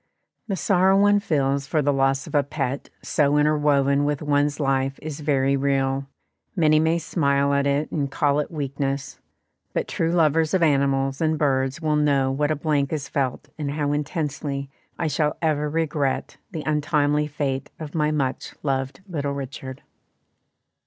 The sorrow one feels for the loss of a pet so interwoven with one's life is very real; many may smile at it and call it weakness, but true lovers of animals and birds will know what a blank is felt and how intensely I shall ever regret the untimely fate of my much loved little Richard.